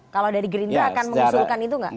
kalau dari gerindra akan mengusulkan itu nggak